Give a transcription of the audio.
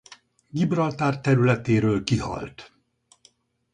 Gibraltár területéről kihalt.